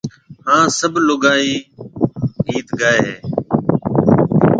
ھاڻ سب لوگائيَ گيت گائيَ ھيََََ